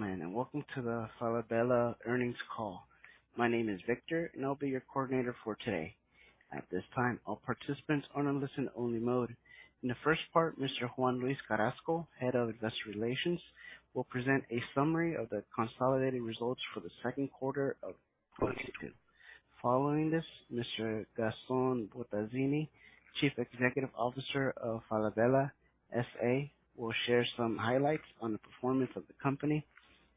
Good day, ladies and gentlemen, and welcome to the Falabella earnings call. My name is Victor, and I'll be your coordinator for today. At this time, all participants are on listen only mode. In the first part, Mr. Juan-Luis Carrasco, Head of Investor Relations, will present a summary of the consolidated results for the second quarter of 2022. Following this, Mr. Gastón Bottazzini, Chief Executive Officer of Falabella SA, will share some highlights on the performance of the company.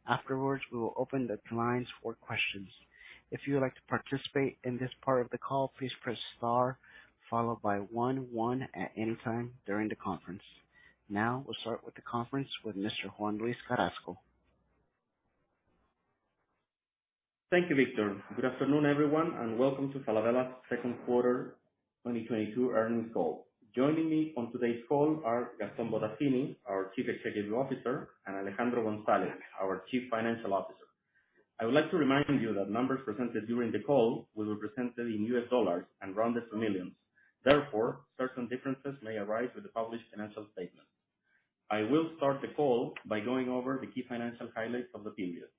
Afterwards, we will open the lines for questions. If you would like to participate in this part of the call, please press star followed by one one at any time during the conference. Now we'll start with the conference with Mr. Juan-Luis Carrasco. Thank you, Victor. Good afternoon, everyone, and welcome to Falabella's second quarter 2022 earnings call. Joining me on today's call are Gastón Bottazzini, our Chief Executive Officer, and Alejandro González, our Chief Financial Officer. I would like to remind you that numbers presented during the call will be presented in US dollars and rounded to millions. Therefore, certain differences may arise with the published financial statements. I will start the call by going over the key financial highlights of the period.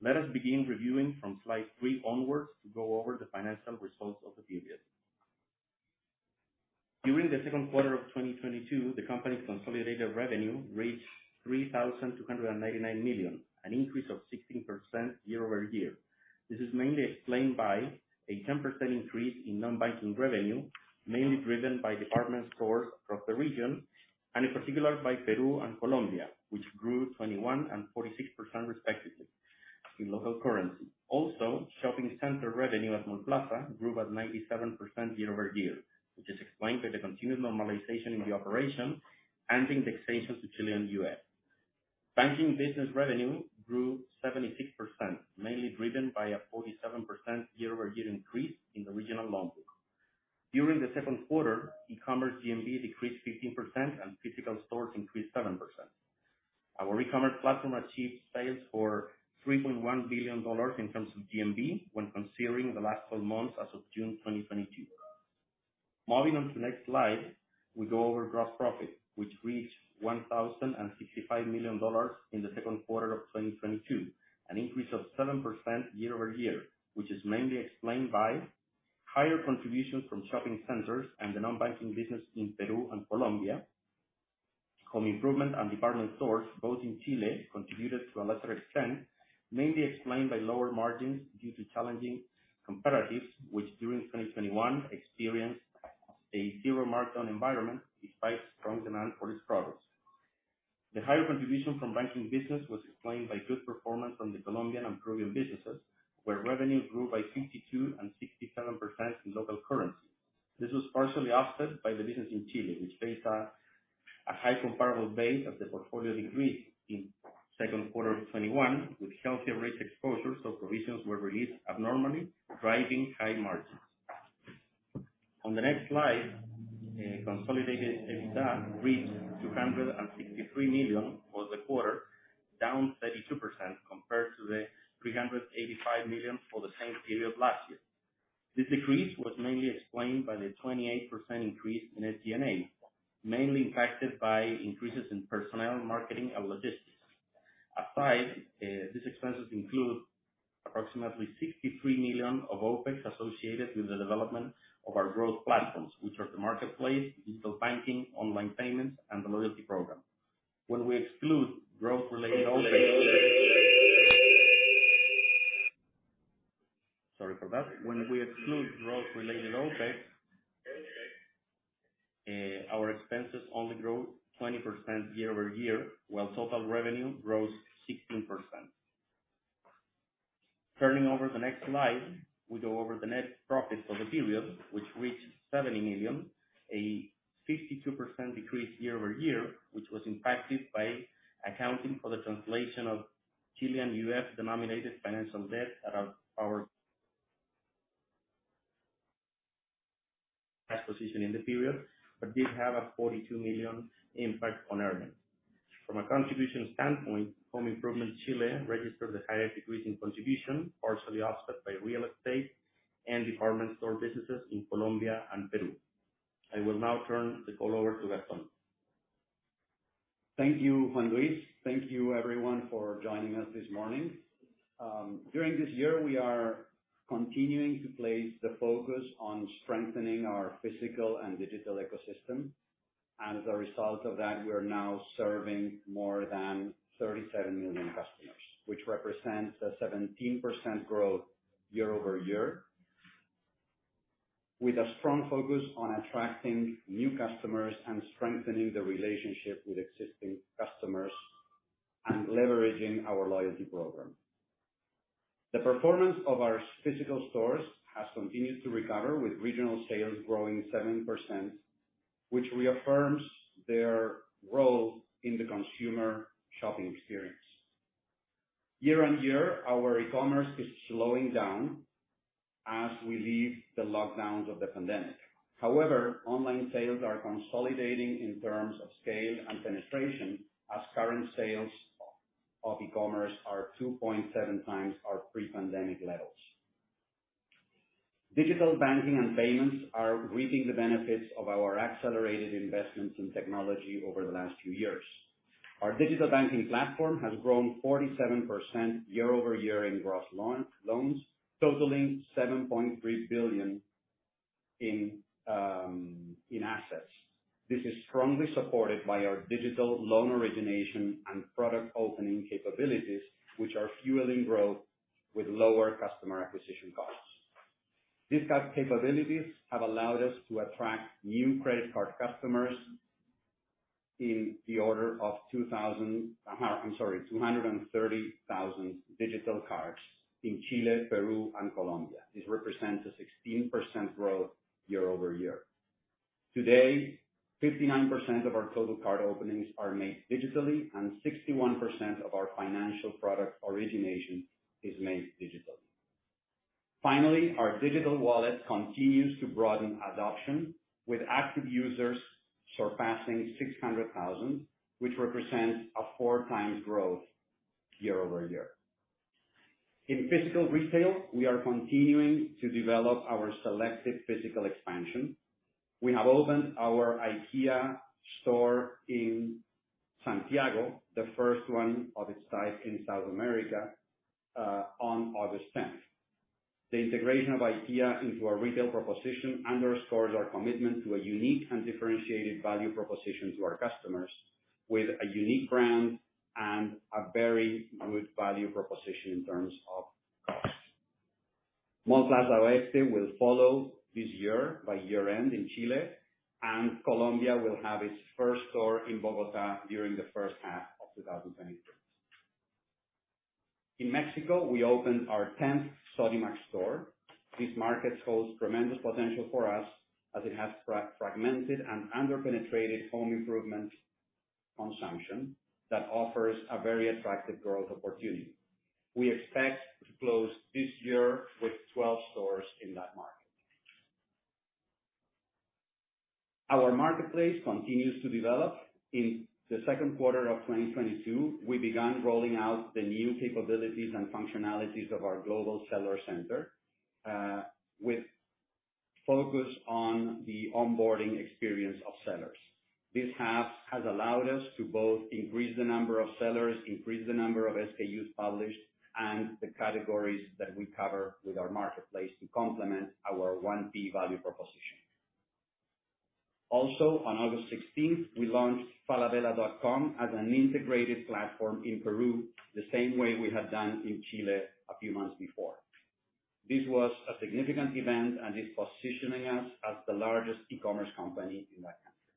Let us begin reviewing from slide three onwards to go over the financial results of the period. During the second quarter of 2022, the company's consolidated revenue reached $3,299 million, an increase of 16% year-over-year. This is mainly explained by a 10% increase in non-banking revenue, mainly driven by department stores across the region and in particular by Peru and Colombia, which grew 21% and 46% respectively in local currency. Shopping center revenue at Mallplaza grew by 97% year-over-year, which is explained by the continued normalization in the operation and the indexation to Chilean UF. Banking business revenue grew 76%, mainly driven by a 47% year-over-year increase in the regional loan book. During the second quarter, e-commerce GMV decreased 15%, and physical stores increased 7%. Our e-commerce platform achieved sales for $3.1 billion in terms of GMV when considering the last 12 months as of June 2022. Moving on to the next slide, we go over gross profit, which reached $1,065 million in the second quarter of 2022, an increase of 7% year-over-year, which is mainly explained by higher contributions from shopping centers and the non-banking business in Peru and Colombia. Home improvement and department stores, both in Chile, contributed to a lesser extent, mainly explained by lower margins due to challenging comparatives, which during 2021 experienced a zero markdown environment despite strong demand for its products. The higher contribution from banking business was explained by good performance from the Colombian and Peruvian businesses, where revenue grew by 52% and 67% in local currency. This was partially offset by the business in Chile, which faced a high comparable base as the portfolio decreased in second quarter of 2021, with healthier risk exposures, so provisions were released abnormally, driving high margins. On the next slide, consolidated EBITDA reached $263 million for the quarter, down 32% compared to the $385 million for the same period last year. This decrease was mainly explained by the 28% increase in SG&A, mainly impacted by increases in personnel, marketing and logistics. Aside, these expenses include approximately $63 million of OpEx associated with the development of our growth platforms, which are the marketplace, digital banking, online payments, and the loyalty program. Sorry for that. When we exclude growth related OpEx, our expenses only grow 20% year-over-year, while total revenue grows 16%. Turning over to the next slide, we go over the net profits for the period, which reached $70 million, a 52% decrease year-over-year, which was impacted by accounting for the translation of Chilean USD denominated financial debt as positioned in the period, but did have a $42 million impact on earnings. From a contribution standpoint, Home Improvement Chile registered the highest decrease in contribution, partially offset by real estate and department store businesses in Colombia and Peru. I will now turn the call over to Gastón. Thank you, Juan-Luis. Thank you everyone for joining us this morning. During this year, we are continuing to place the focus on strengthening our physical and digital ecosystem. As a result of that, we are now serving more than 37 million customers, which represents a 17% growth year-over-year, with a strong focus on attracting new customers and strengthening the relationship with existing customers and leveraging our loyalty program. The performance of our physical stores has continued to recover, with regional sales growing 7%, which reaffirms their role in the consumer shopping experience. Year-over-year, our e-commerce is slowing down as we leave the lockdowns of the pandemic. However, online sales are consolidating in terms of scale and penetration as current sales of e-commerce are 2.7 times our pre-pandemic levels. Digital banking and payments are reaping the benefits of our accelerated investments in technology over the last few years. Our digital banking platform has grown 47% year-over-year in gross loans, totaling $7.3 billion in assets. This is strongly supported by our digital loan origination and product opening capabilities, which are fueling growth with lower customer acquisition costs. These capabilities have allowed us to attract new credit card customers in the order of 230,000 digital cards in Chile, Peru, and Colombia. This represents a 16% growth year-over-year. Today, 59% of our total card openings are made digitally, and 61% of our financial product origination is made digital. Finally, our digital wallet continues to broaden adoption, with active users surpassing 600,000, which represents a four times growth year-over-year. In physical retail, we are continuing to develop our selected physical expansion. We have opened our IKEA store in Santiago, the first one of its type in South America, on August 10. The integration of IKEA into our retail proposition underscores our commitment to a unique and differentiated value proposition to our customers with a unique brand and a very good value proposition in terms of cost. Multi Celeste will follow this year by year-end in Chile, and Colombia will have its first store in Bogotá during the first half of 2023. In Mexico, we opened our 10th Sodimac store. This market holds tremendous potential for us as it has fragmented and under-penetrated home improvement consumption that offers a very attractive growth opportunity. We expect to close this year with 12 stores in that market. Our marketplace continues to develop. In the second quarter of 2022, we began rolling out the new capabilities and functionalities of our Global Seller Center with focus on the onboarding experience of sellers. This has allowed us to both increase the number of sellers, increase the number of SKUs published, and the categories that we cover with our marketplace to complement our 1P value proposition. Also, on August 16th, we launched Falabella.com as an integrated platform in Peru, the same way we had done in Chile a few months before. This was a significant event, and it's positioning us as the largest e-commerce company in that country.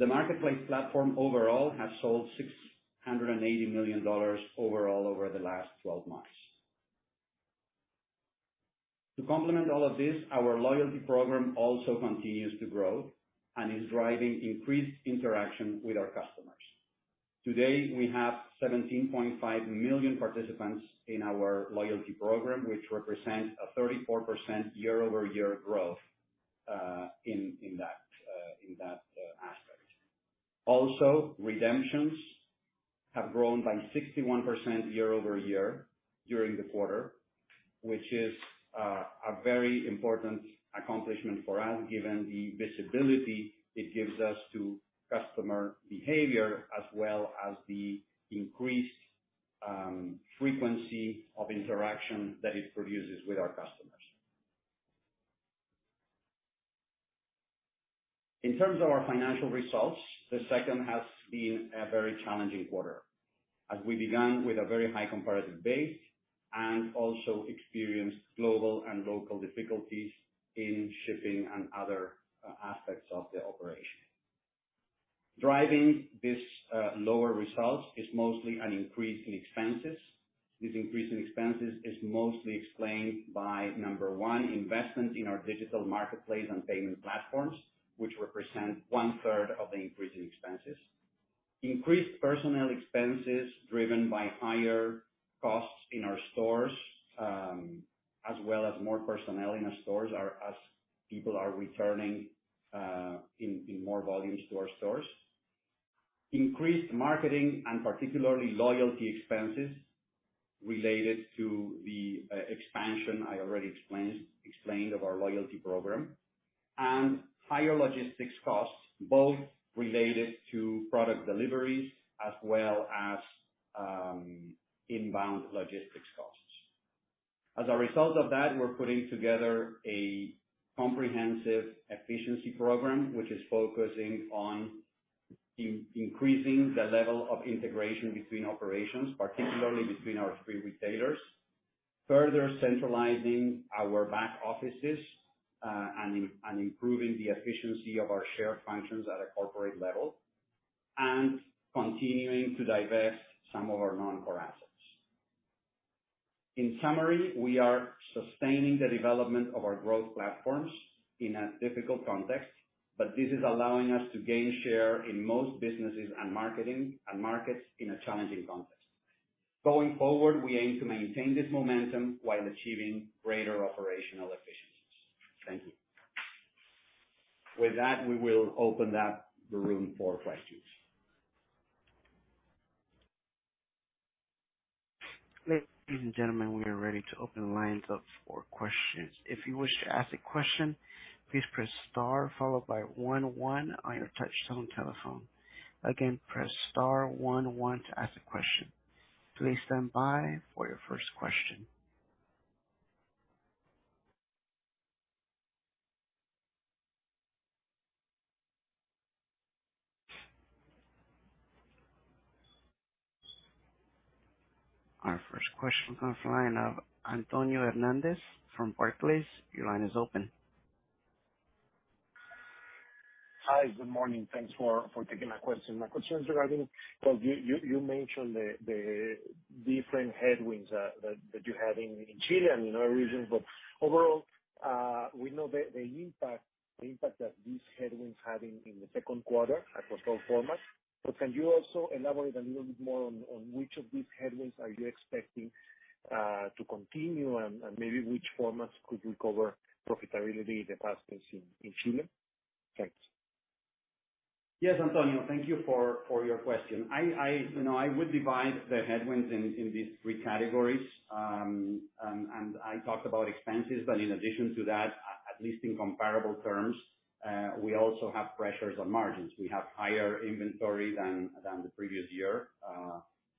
The marketplace platform overall has sold $680 million overall over the last 12 months. To complement all of this, our loyalty program also continues to grow and is driving increased interaction with our customers. Today, we have 17.5 million participants in our loyalty program, which represent a 34% year-over-year growth in that aspect. Also, redemptions have grown by 61% year-over-year during the quarter, which is a very important accomplishment for us, given the visibility it gives us to customer behavior as well as the increased frequency of interaction that it produces with our customers. In terms of our financial results, the second has been a very challenging quarter as we began with a very high comparative base and also experienced global and local difficulties in shipping and other aspects of the operation. Driving this lower result is mostly an increase in expenses. This increase in expenses is mostly explained by, number one, investment in our digital marketplace and payment platforms which represent 1/3 of the increase in expenses. Increased personnel expenses driven by higher costs in our stores, as well as more personnel in our stores as people are returning in more volume to our stores. Increased marketing, and particularly loyalty expenses related to the expansion I already explained of our loyalty program, and higher logistics costs, both related to product deliveries as well as inbound logistics costs. As a result of that, we're putting together a comprehensive efficiency program, which is focusing on increasing the level of integration between operations, particularly between our three retailers, further centralizing our back offices, and improving the efficiency of our shared functions at a corporate level, and continuing to divest some of our non-core assets. In summary, we are sustaining the development of our growth platforms in a difficult context, but this is allowing us to gain share in most businesses and markets in a challenging context. Going forward, we aim to maintain this momentum while achieving greater operational efficiencies. Thank you. With that, we will open up the room for questions. Ladies and gentlemen, we are ready to open lines up for questions. If you wish to ask a question, please press star followed by one one on your touch tone telephone. Again, press star one one to ask a question. Please stand by for your first question. Our first question comes from the line of Antonio Hernández from Barclays. Your line is open. Hi, good morning. Thanks for taking my question. My question is regarding, so you mentioned the different headwinds that you have in Chile and in other regions. Overall, we know the impact that these headwinds have in the second quarter across all formats. Can you also elaborate a little bit more on which of these headwinds are you expecting to continue and maybe which formats could recover profitability the fastest in Chile? Thanks. Yes, Antonio, thank you for your question. You know, I would divide the headwinds in these three categories. I talked about expenses, but in addition to that, at least in comparable terms, we also have pressures on margins. We have higher inventory than the previous year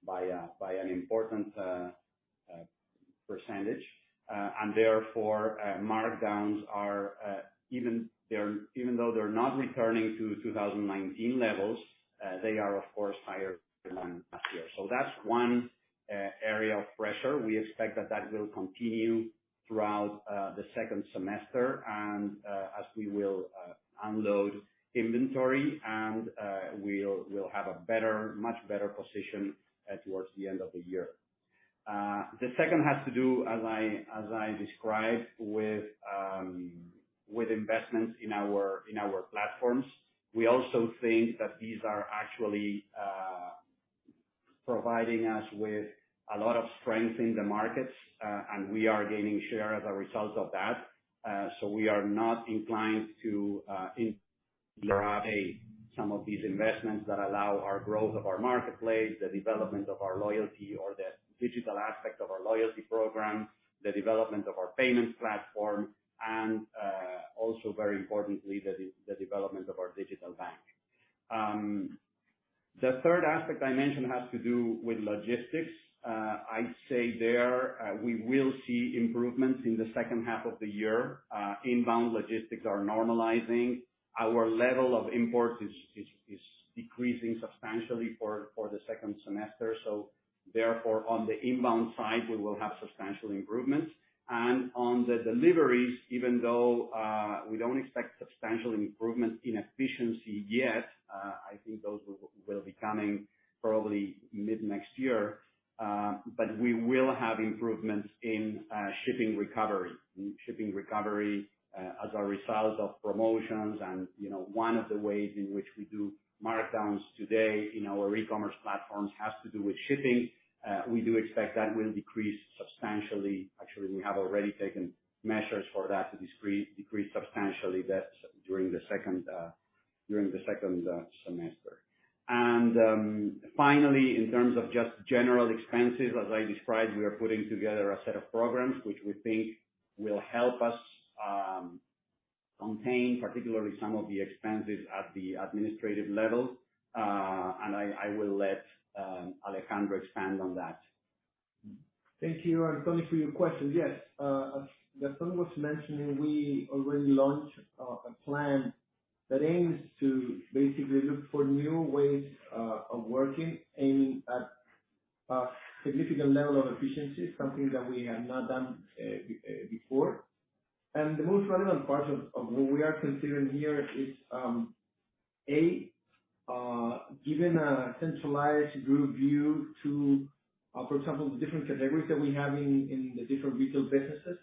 by an important percentage. Therefore, markdowns are, even though they're not returning to 2019 levels, of course higher than last year. That's one area of pressure. We expect that will continue throughout the second semester and as we will unload inventory and we'll have a much better position towards the end of the year. The second has to do, as I described, with investments in our platforms. We also think that these are actually providing us with a lot of strength in the markets, and we are gaining share as a result of that. We are not inclined to some of these investments that allow our growth of our marketplace, the development of our loyalty or the digital aspect of our loyalty program, the development of our payments platform, and also very importantly, the development of our digital bank. The third aspect I mentioned has to do with logistics. I'd say there we will see improvements in the second half of the year. Inbound logistics are normalizing. Our level of imports is decreasing substantially for the second semester. Therefore on the inbound side we will have substantial improvements. On the deliveries, even though we don't expect substantial improvement in efficiency yet, I think those will be coming probably mid-next year. We will have improvements in shipping recovery as a result of promotions. You know, one of the ways in which we do markdowns today in our e-commerce platforms has to do with shipping. We do expect that will decrease substantially. Actually, we have already taken measures for that to decrease substantially during the second semester. Finally, in terms of just general expenses, as I described, we are putting together a set of programs which we think will help us contain particularly some of the expenses at the administrative level. I will let Alejandro expand on that. Thank you, Antonio, for your question. Yes, as Gastón was mentioning, we already launched a plan that aims to basically look for new ways of working, aiming at a significant level of efficiency, something that we had not done before. The most relevant part of what we are considering here is a giving a centralized group view to, for example, the different categories that we have in the different retail businesses.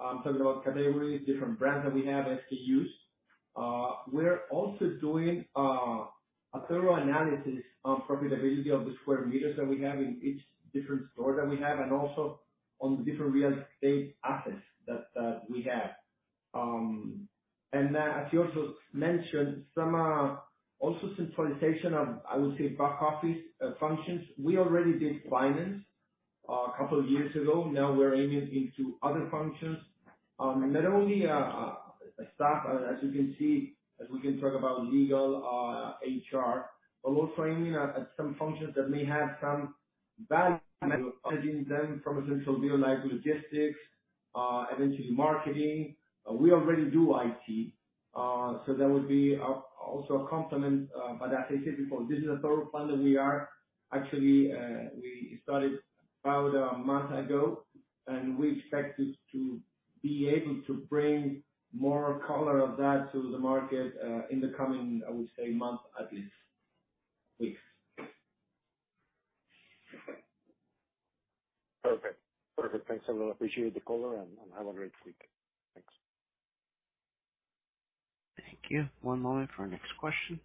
I'm talking about categories, different brands that we have, SKUs. We're also doing a thorough analysis on profitability of the square meters that we have in each different store that we have and also on the different real estate assets that we have. As you also mentioned, some also centralization of, I would say, back office functions. We already did finance a couple of years ago. Now we're aiming into other functions. Not only staff, as you can see, as we can talk about legal, HR, but also aiming at some functions that may have some value managing them from a central view like logistics, eventually marketing. We already do IT. That would be also a complement. As I said before, this is a thorough plan. Actually, we started about a month ago, and we expect it to be able to bring more color of that to the market in the coming, I would say, month at least weeks. Perfect. Thanks a lot. Appreciate the color, and have a great week. Thanks. Thank you. One moment for our next question.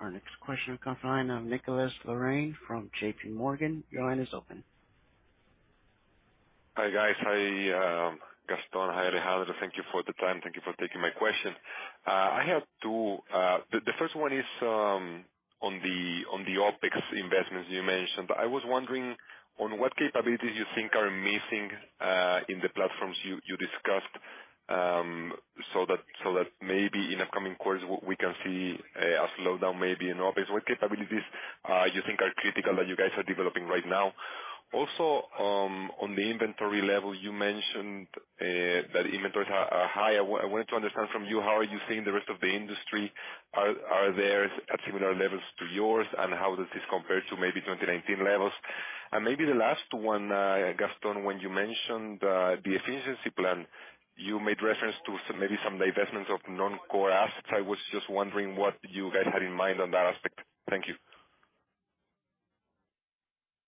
Our next question will come from the line of Nicolás Larrain from JPMorgan. Your line is open. Hi, guys. Hi, Gastón. Hi, Alejandro. Thank you for the time. Thank you for taking my question. I have two. The first one is on the OpEx investments you mentioned. I was wondering on what capabilities you think are missing in the platforms you discussed, so that maybe in the coming quarters we can see a slowdown maybe in OpEx. What capabilities you think are critical that you guys are developing right now? Also, on the inventory level, you mentioned that inventories are high. I wanted to understand from you how are you seeing the rest of the industry. Are theirs at similar levels to yours, and how does this compare to maybe 2019 levels? Maybe the last one, Gastón, when you mentioned the efficiency plan, you made reference to some, maybe some divestments of non-core assets. I was just wondering what you guys had in mind on that aspect. Thank you.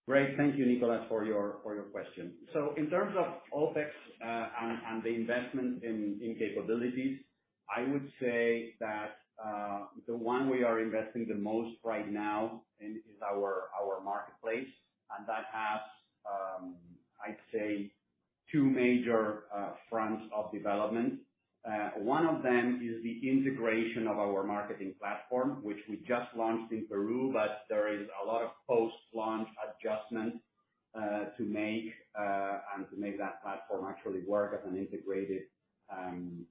Great. Thank you, Nicolás, for your question. In terms of OpEx and the investment in capabilities, I would say that the one we are investing the most right now in is our marketplace. That has, I'd say two major fronts of development. One of them is the integration of our marketing platform, which we just launched in Peru, but there is a lot of post-launch adjustments to make that platform actually work as an integrated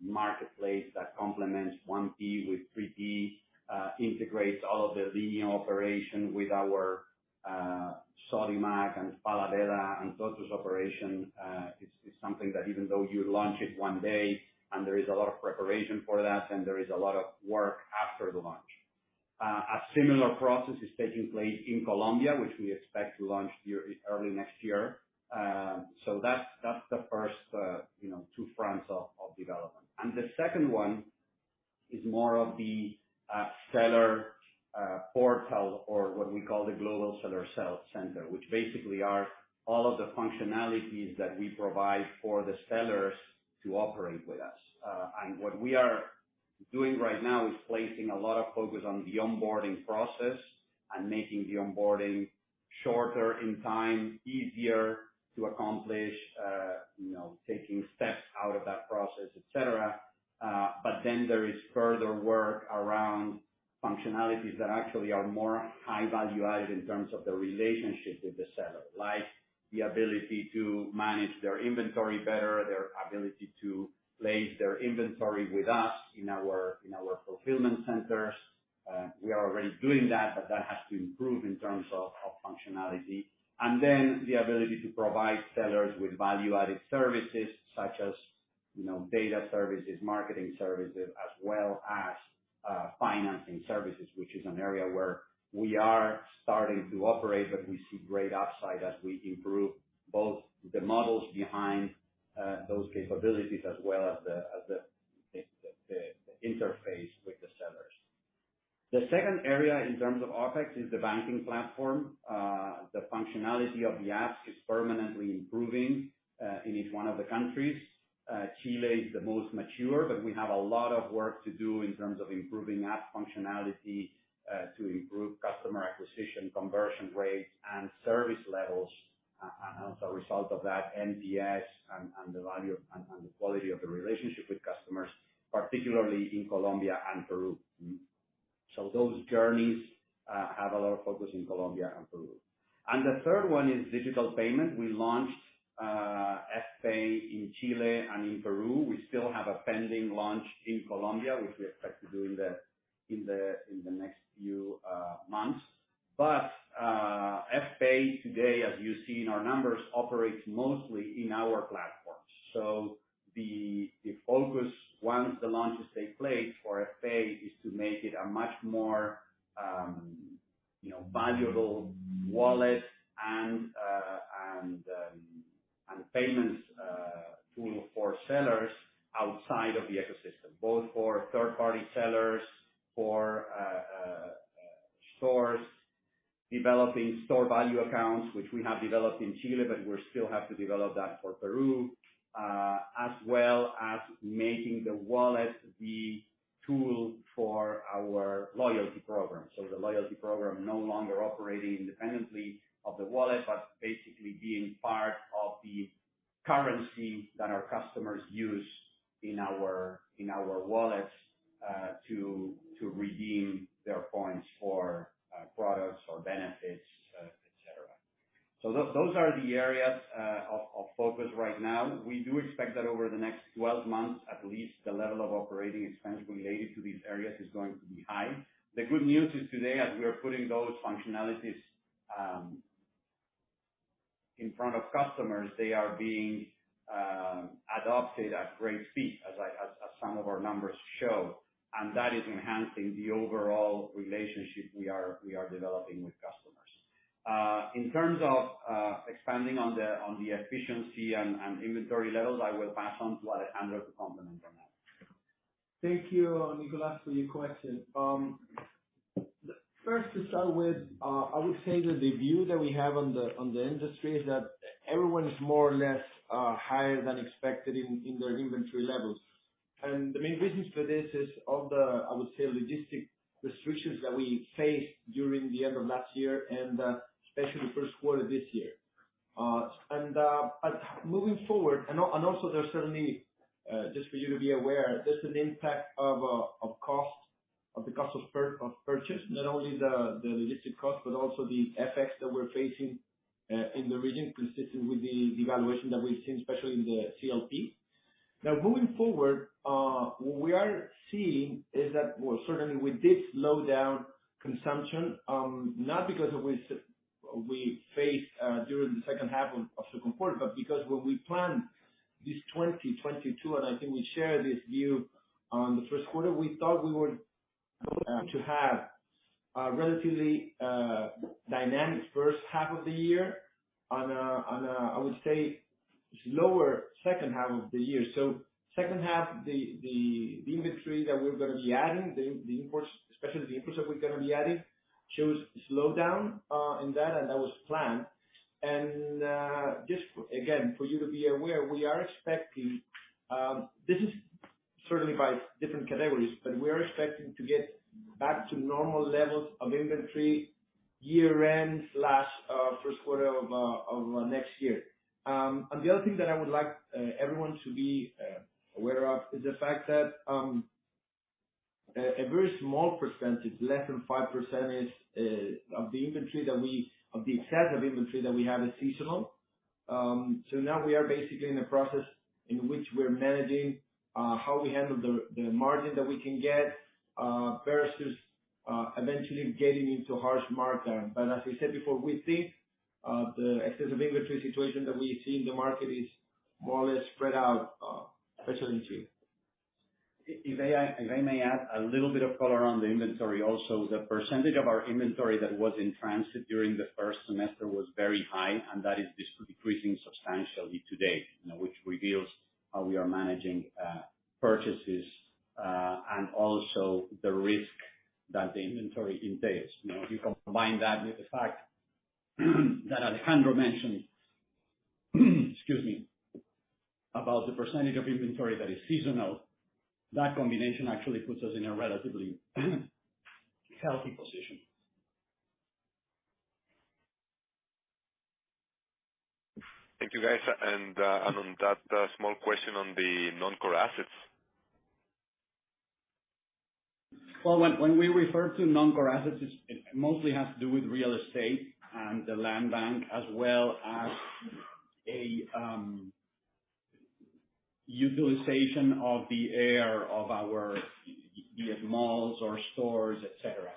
marketplace that complements 1P with 3P, integrates all of the linear operation with our Sodimac and Falabella and Tottus operation. It's something that even though you launch it one day and there is a lot of preparation for that, and there is a lot of work after the launch. A similar process is taking place in Colombia, which we expect to launch early next year. That's the first, you know, two fronts of development. The second one is more of the seller portal or what we call the Global Seller Center, which basically are all of the functionalities that we provide for the sellers to operate with us. What we are doing right now is placing a lot of focus on the onboarding process and making the onboarding shorter in time, easier to accomplish, you know, taking steps out of that process, et cetera. There is further work around functionalities that actually are more high value added in terms of the relationship with the seller. Like the ability to manage their inventory better, their ability to place their inventory with us in our fulfillment centers. We are already doing that, but that has to improve in terms of functionality. The ability to provide sellers with value-added services such as, you know, data services, marketing services, as well as financing services, which is an area where we are starting to operate, but we see great upside as we improve both the models behind those capabilities as well as the interface with the sellers. The second area in terms of OpEx is the banking platform. The functionality of the apps is permanently improving in each one of the countries. Chile is the most mature, but we have a lot of work to do in terms of improving app functionality, to improve customer acquisition, conversion rates and service levels. As a result of that, NPS and the value and the quality of the relationship with customers, particularly in Colombia and Peru. Those journeys have a lot of focus in Colombia and Peru. The third one is digital payment. We launched Fpay in Chile and in Peru. We still have a pending launch in Colombia, which we expect to do in the next few months. Fpay today, as you see in our numbers, operates mostly in our platforms. The focus once the launches take place for Fpay is to make it a much more valuable wallet and payments tool for sellers outside of the ecosystem. Both for third-party sellers, for stores developing store value accounts, which we have developed in Chile, but we still have to develop that for Peru, as well as making the wallet the tool for our loyalty program. The loyalty program no longer operating independently of the wallet, but basically being part of the currency that our customers use in our wallets to redeem their points for products or benefits, et cetera. Those are the areas of focus right now. We do expect that over the next 12 months at least, the level of operating expense related to these areas is going to be high. The good news is today, as we are putting those functionalities in front of customers, they are being adopted at great speed, as some of our numbers show. That is enhancing the overall relationship we are developing with customers. In terms of expanding on the efficiency and inventory levels, I will pass on to Alejandro to comment on that. Thank you, Nicolás, for your question. First to start with, I would say that the view that we have on the industry is that everyone is more or less higher than expected in their inventory levels. The main reasons for this is on the, I would say, logistic restrictions that we faced during the end of last year and especially first quarter this year. Moving forward, also there are certainly just for you to be aware, there's an impact of costs, of the cost of purchase, not only the logistic cost but also the effects that we're facing in the region consistent with the devaluation that we've seen, especially in the CLP. Now, moving forward, what we are seeing is that, well, certainly we did slow down consumption, not because we faced during the second half of second quarter, but because when we planned this 2022, and I think we share this view on the first quarter, we thought we were going to have a relatively dynamic first half of the year in a, I would say, slower second half of the year. Second half, the inventory that we're gonna be adding, the imports, especially the imports that we're gonna be adding, shows slowdown in that, and that was planned. Just again, for you to be aware, we are expecting, this is certainly by different categories, but we are expecting to get back to normal levels of inventory year-end first quarter of next year. The other thing that I would like everyone to be aware of is the fact that a very small percentage, less than 5%, of the excess of inventory that we have is seasonal. Now we are basically in the process in which we're managing how we handle the margin that we can get versus eventually getting into harsh margin. As we said before, we think the excess of inventory situation that we see in the market is more or less spread out, especially to you. If I may add a little bit of color on the inventory also. The percentage of our inventory that was in transit during the first semester was very high, and that is decreasing substantially today, you know, which reveals how we are managing purchases, and also the risk that the inventory entails. You know, if you combine that with the fact that Alejandro mentioned, excuse me, about the percentage of inventory that is seasonal, that combination actually puts us in a relatively healthy position. Thank you, guys. On that, a small question on the non-core assets. Well, when we refer to non-core assets, it mostly has to do with real estate and the land bank, as well as a utilization of the area of our yet malls or stores, et cetera.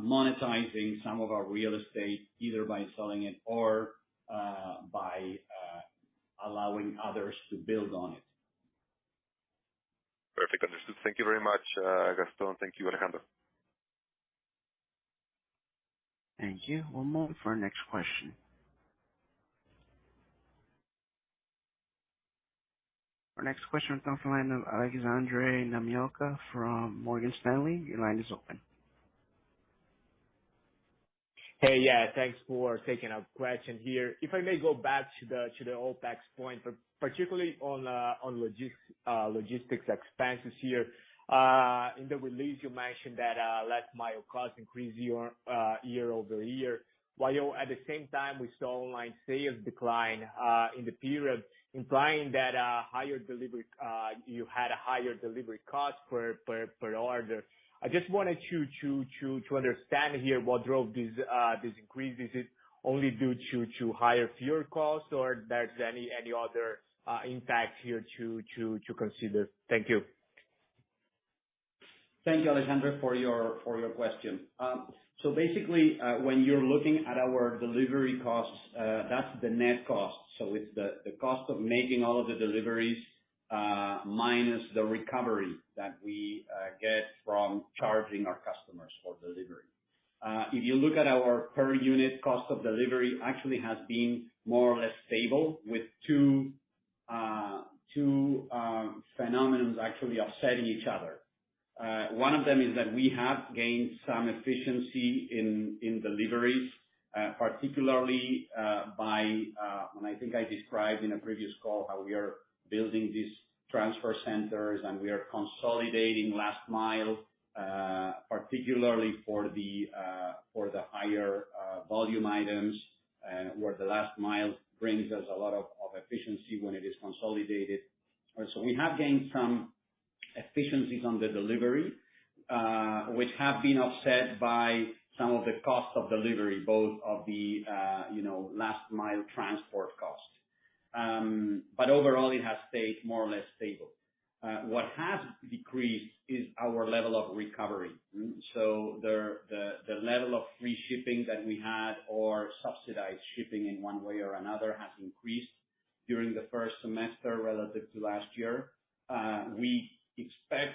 Monetizing some of our real estate, either by selling it or by allowing others to build on it. Perfect. Understood. Thank you very much, Gastón. Thank you, Alejandro. Thank you. One moment for our next question. Our next question comes from the line of Alexandre Namioka from Morgan Stanley. Your line is open. Hey, yeah, thanks for taking a question here. If I may go back to the OpEx point, particularly on logistics expenses here. In the release you mentioned that last mile costs increased year-over-year, while at the same time we saw online sales decline in the period, implying that you had a higher delivery cost per order. I just wanted to understand here what drove this increase. Is it only due to higher fuel costs or is there any other impact here to consider? Thank you. Thank you, Alexandre, for your question. Basically, when you're looking at our delivery costs, that's the net cost. It's the cost of making all of the deliveries, minus the recovery that we get from charging our customers for delivery. If you look at our per unit cost of delivery, it actually has been more or less stable with two phenomena actually offsetting each other. One of them is that we have gained some efficiency in deliveries, particularly and I think I described in a previous call how we are building these transfer centers and we are consolidating last mile, particularly for the higher volume items, where the last mile brings us a lot of efficiency when it is consolidated. We have gained some efficiencies on the delivery, which have been offset by some of the costs of delivery, both of the, you know, last mile transport costs. Overall it has stayed more or less stable. What has decreased is our level of recovery. The level of free shipping that we had or subsidized shipping in one way or another has increased during the first semester relative to last year.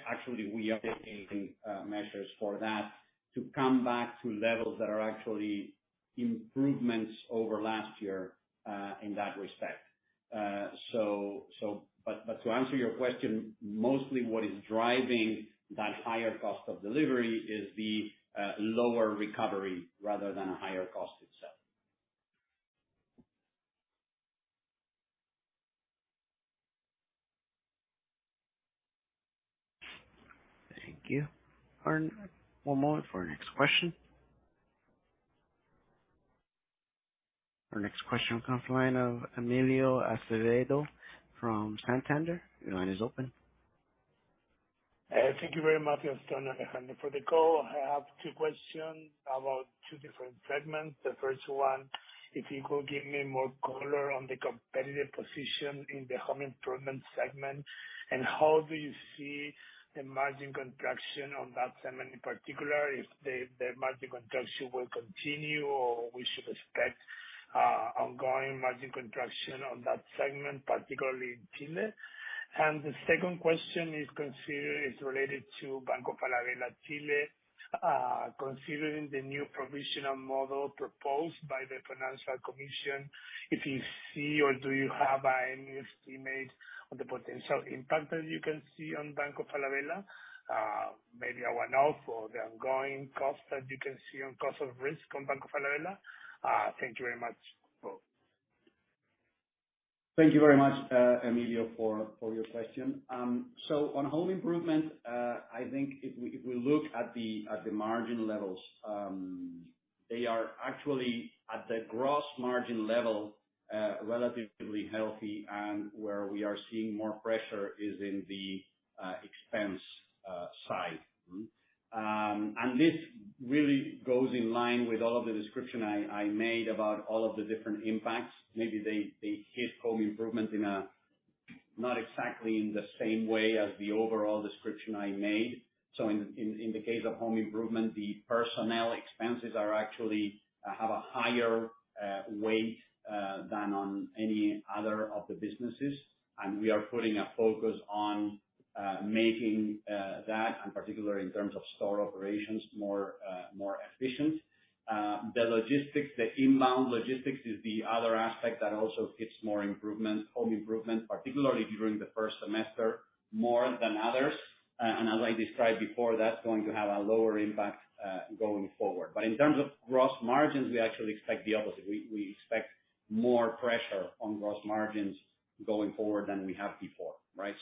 Actually we are taking measures for that to come back to levels that are actually improvements over last year, in that respect. To answer your question, mostly what is driving that higher cost of delivery is the lower recovery rather than a higher cost itself. Thank you. One moment for our next question. Our next question comes from the line of Emilio Acevedo from Santander. Your line is open. Thank you very much, Gastón, Alejandro, for the call. I have two questions about two different segments. The first one, if you could give me more color on the competitive position in the home improvement segment. How do you see the margin contraction on that segment in particular, if the margin contraction will continue, or we should expect ongoing margin contraction on that segment, particularly in Chile? The second question is related to Banco Falabella Chile. Considering the new provisioning model proposed by the Financial Commission, if you see or do you have any estimate on the potential impact that you can see on Banco Falabella, maybe a one-off or the ongoing cost that you can see on cost of risk on Banco Falabella? Thank you very much, both. Thank you very much, Emilio, for your question. On home improvement, I think if we look at the margin levels, they are actually at the gross margin level relatively healthy. Where we are seeing more pressure is in the expense side. This really goes in line with all of the description I made about all of the different impacts. Maybe they hit home improvement in a not exactly in the same way as the overall description I made. In the case of home improvement, the personnel expenses are actually have a higher weight than on any other of the businesses. We are putting a focus on making that and particular in terms of store operations more efficient. The logistics, the inbound logistics is the other aspect that also hits home improvement more, particularly during the first semester, more than others. As I described before, that's going to have a lower impact going forward. In terms of gross margins, we actually expect the opposite. We expect more pressure on gross margins going forward than we have before, right?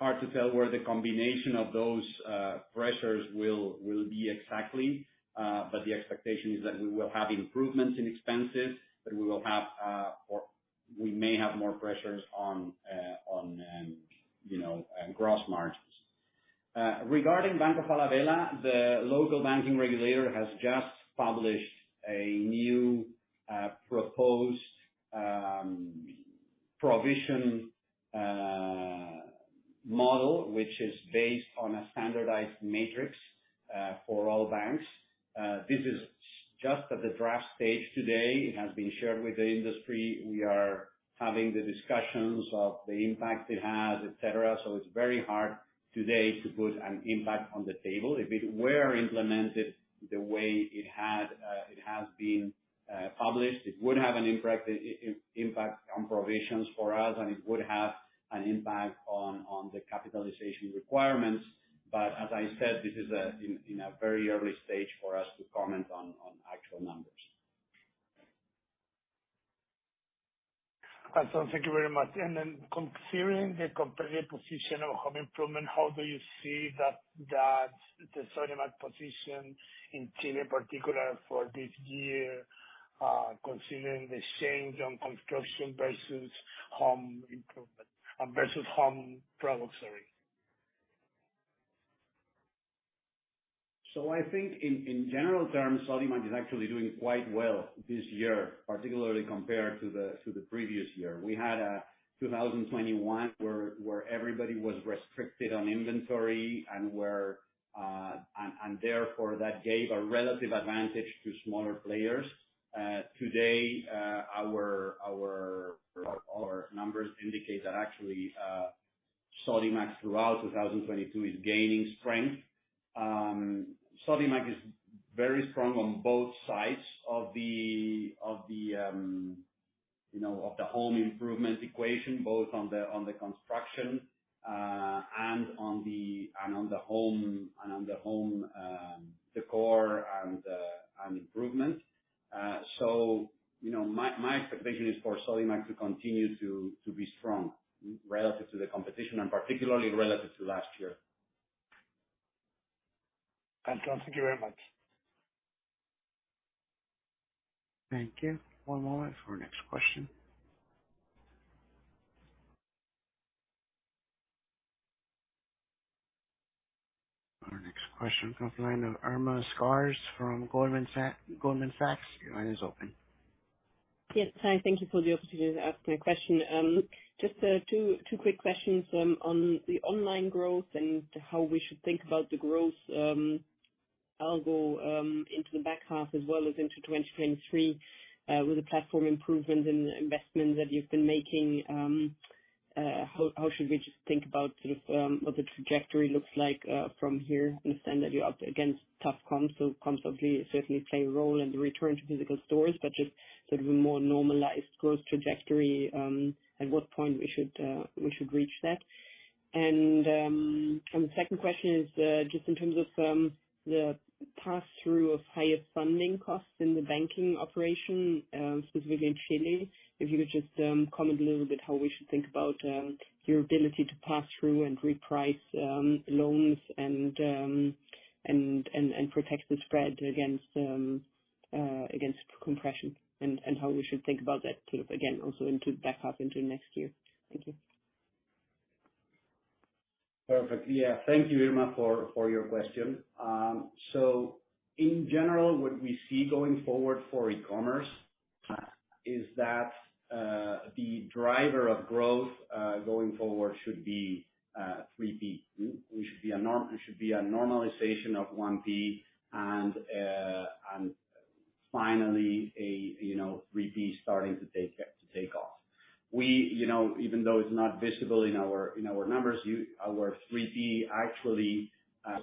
Hard to tell where the combination of those pressures will be exactly. The expectation is that we will have improvements in expenses, but we will have, or we may have more pressures on, you know, gross margins. Regarding Banco Falabella, the local banking regulator has just published a new proposed provision model, which is based on a standardized matrix for all banks. This is just at the draft stage today. It has been shared with the industry. We are having the discussions of the impact it has, et cetera, so it's very hard today to put an impact on the table. If it were implemented the way it has been published, it would have an impact on provisions for us, and it would have an impact on the capitalization requirements. But as I said, this is in a very early stage for us to comment on actual numbers. Gastón, thank you very much. Considering the competitive position of home improvement, how do you see that the Sodimac position in Chile, particularly for this year, considering the change in construction versus home improvement, versus home products, sorry? I think in general terms, Sodimac is actually doing quite well this year, particularly compared to the previous year. We had 2021 where everybody was restricted on inventory and therefore that gave a relative advantage to smaller players. Today our numbers indicate that actually Sodimac throughout 2022 is gaining strength. Sodimac is very strong on both sides of the home improvement equation, both on the construction and on the home décor and improvement, you know. My expectation is for Sodimac to continue to be strong relative to the competition and particularly relative to last year. Gastón, thank you very much. Thank you. One moment for our next question. Our next question comes from the line of Irma Sgarz from Goldman Sachs. Your line is open. Yes. Hi, thank you for the opportunity to ask my question. Just two quick questions on the online growth and how we should think about the growth, although into the back half as well as into 2023, with the platform improvements and investments that you've been making. How should we just think about of what the trajectory looks like from here? Understand that you're up against tough comps, so comps obviously certainly play a role in the return to physical stores, but just sort of a more normalized growth trajectory, at what point we should reach that. The second question is just in terms of the pass-through of higher funding costs in the banking operation, specifically in Chile. If you could just comment a little bit how we should think about your ability to pass through and reprice loans and protect the spread against compression and how we should think about that sort of again, also into back half into next year? Thank you. Perfect. Yeah. Thank you, Irma, for your question. In general, what we see going forward for e-commerce is that the driver of growth going forward should be 3P. We should be a normalization of 1P and finally a, you know, 3P starting to take off. You know, even though it's not visible in our numbers, our 3P actually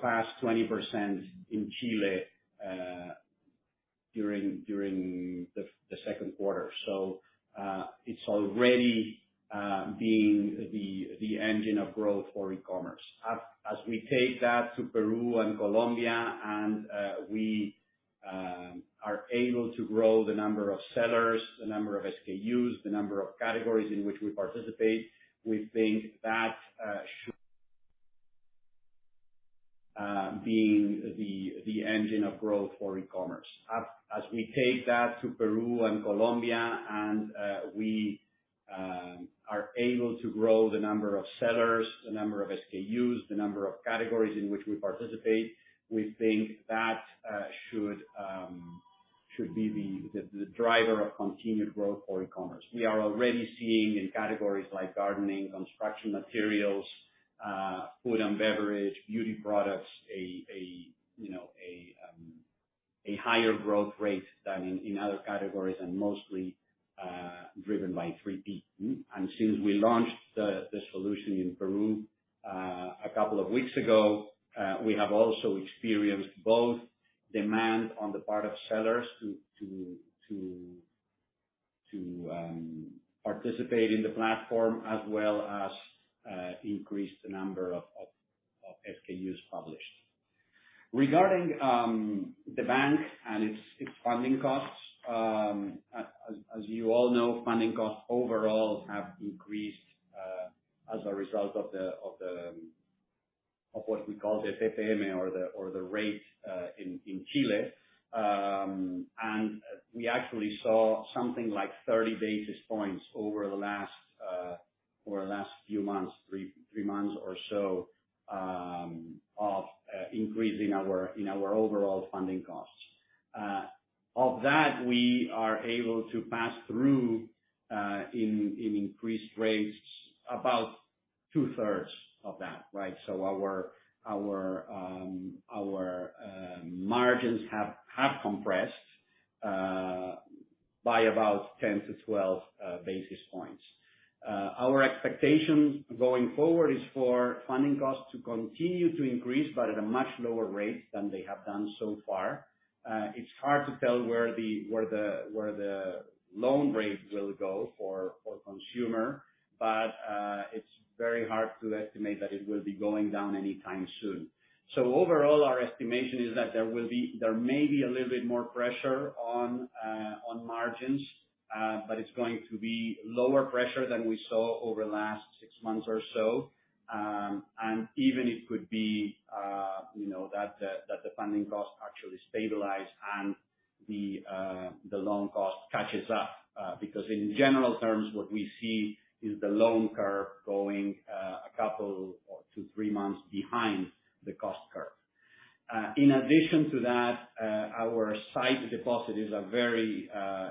passed 20% in Chile during the second quarter. It's already being the engine of growth for e-commerce. As we take that to Peru and Colombia and we are able to grow the number of sellers, the number of SKUs, the number of categories in which we participate, we think that should be the engine of growth for e-commerce. As we take that to Peru and Colombia and we are able to grow the number of sellers, the number of SKUs, the number of categories in which we participate, we think that should be the driver of continued growth for e-commerce. We are already seeing in categories like gardening, construction materials, food and beverage, beauty products you know a higher growth rate than in other categories, and mostly driven by 3P. Since we launched the solution in Peru, we have also experienced both demand on the part of sellers to participate in the platform as well as increase the number of SKUs published. Regarding the bank and its funding costs, as you all know, funding costs overall have increased as a result of what we call the TPM or the rate in Chile. We actually saw something like 30 basis points over the last few months, three months or so, of increase in our overall funding costs. Of that, we are able to pass through in increased rates about 2/3 of that, right? Our margins have compressed by about 10-12 basis points. Our expectation going forward is for funding costs to continue to increase, but at a much lower rate than they have done so far. It's hard to tell where the loan rates will go for consumer, but it's very hard to estimate that it will be going down any time soon. Overall, our estimation is that there may be a little bit more pressure on margins, but it's going to be lower pressure than we saw over the last six months or so. Even it could be, you know, that the funding costs actually stabilize and the loan cost catches up. Because in general terms, what we see is the loan curve going a couple or 2-3 months behind the cost curve. In addition to that, our sight deposit is a very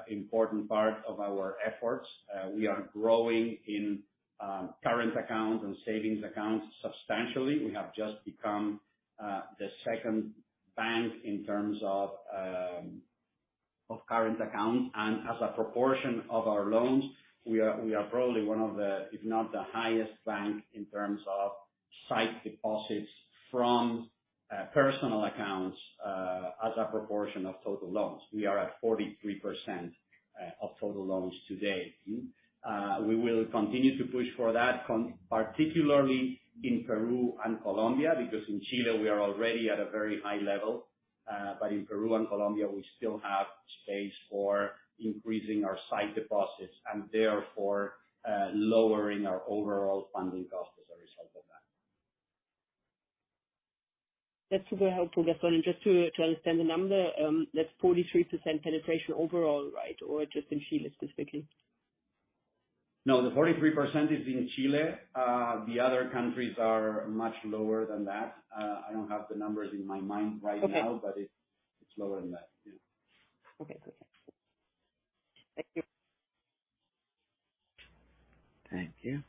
important part of our efforts. We are growing in current accounts and savings accounts substantially. We have just become the second bank in terms of current accounts. As a proportion of our loans, we are probably one of the, if not the highest bank in terms of sight deposits from personal accounts as a proportion of total loans. We are at 43% of total loans today. We will continue to push for that particularly in Peru and Colombia, because in Chile we are already at a very high level. In Peru and Colombia, we still have space for increasing our sight deposits and therefore lowering our overall funding costs as a result of that. That's super helpful, Gastón. Just to understand the number, that's 43% penetration overall, right? Or just in Chile specifically? No, the 43% is in Chile. The other countries are much lower than that. I don't have the numbers in my mind right now. Okay. It's lower than that, yeah. Okay. Okay. Thank you. Thank you.